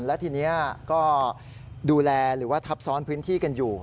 และทีนี้ก็ดูแลหรือว่าทับซ้อนพื้นที่กันอยู่